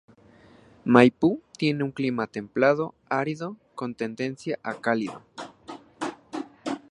Maipú tiene un clima templado árido con tendencia a cálido.